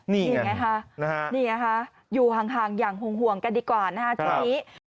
นี่ไงคะอยู่ทางอย่างห่วงกันดีกว่านะคะทีนี้